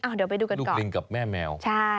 อ้าวเดี๋ยวไปดูกันก่อนใช่ลูกลิงกับแม่แมว